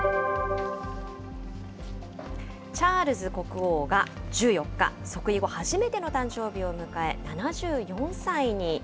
チャールズ国王が１４日、即位後初めての誕生日を迎え、７４歳に。